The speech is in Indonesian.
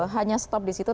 hanya stop disitu